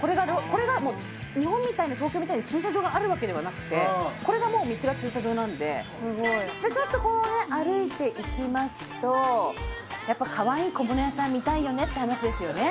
これが日本みたいに東京みたいに駐車場があるわけではなくてこれがもう道が駐車場なんでちょっと歩いていきますとかわいい小物屋さん見たいよねって話ですよね